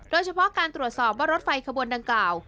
โดยเฉพาะการตรวจสอบว่ารถไฟขบวนดังกล่าว